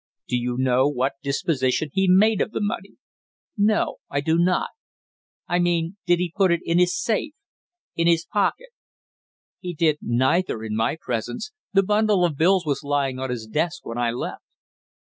"Do you know what disposition he made of the money?" "No, I do not." "I mean, did he put it in his safe in his pocket " "He did neither in my presence, the bundle of bills was lying on his desk when I left."